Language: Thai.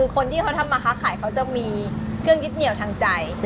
คนที่ทำคาขายจะมีเฮื่องจิ๊ดเหนี่ยวทางใจ